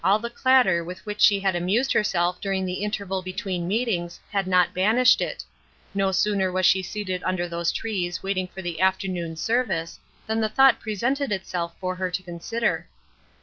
All the clatter with which she had amused herself during the interval between meetings had not banished it. No sooner was she seated under those trees waiting for the afternoon service than the thought presented itself for her to consider.